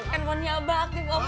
handphonenya abah aktif